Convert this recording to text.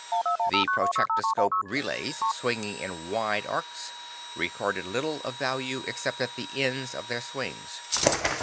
The projectoscope relays, swinging in wide arcs, recorded little of value except at the ends of their swings.